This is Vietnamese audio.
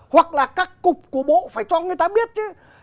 hoặc là các cục của bộ phải cho người ta biết chứ